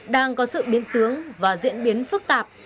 đang có sự biến tướng và diễn biến phức tạp